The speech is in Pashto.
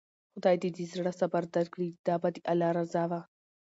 خداى د زړه صبر درکړي، دا به د الله رضا وه.